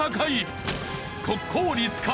国公立か？